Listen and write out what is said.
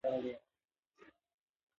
تاسو سره لوبه کوم؟